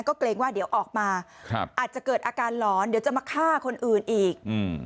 ก็เกรงว่าเดี๋ยวออกมาอาจจะเกิดอาการหลอนเดี๋ยวจะมาฆ่าคนอื่นอีก